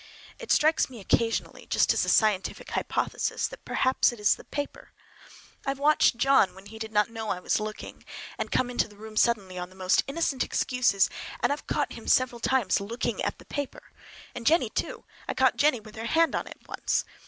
It strikes me occasionally, just as a scientific hypothesis, that perhaps it is the paper! I have watched John when he did not know I was looking, and come into the room suddenly on the most innocent excuses, and I've caught him several times looking at the paper! And Jennie too. I caught Jennie with her hand on it once.